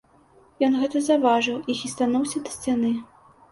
Ён гэта заўважыў і хістануўся да сцяны.